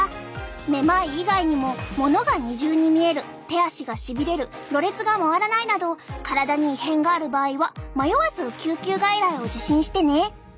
めまい以外にも物が二重に見える手足がしびれるろれつが回らないなど体に異変がある場合は迷わず救急外来を受診してね！